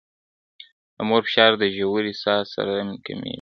د مور فشار د ژورې ساه سره کمېږي.